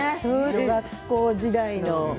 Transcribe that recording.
女学校時代の。